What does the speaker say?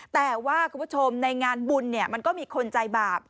แต่ว่าคุณผู้ชมในงานบุญมันก็มีคนใจบาป